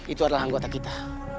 itu adalah anggota kita